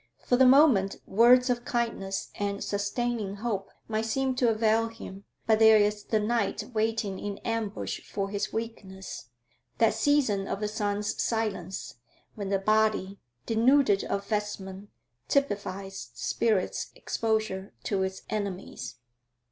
For the moment, words of kindness and sustaining hope might seem to avail him; but there is the night waiting in ambush for his weakness, that season of the sun's silence, when the body denuded of vestment typifies the spirit's exposure to its enemies.